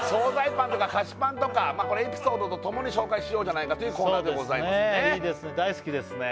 パンとか菓子パンとかエピソードとともに紹介しようじゃないかというコーナーでございますねそうですねいいですね大好きですね